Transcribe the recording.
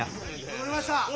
戻りました！